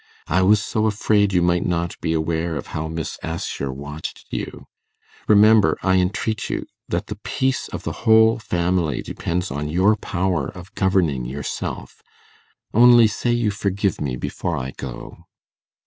I was so afraid you might not be aware how Miss Assher watched you. Remember, I entreat you, that the peace of the whole family depends on your power of governing yourself. Only say you forgive me before I go.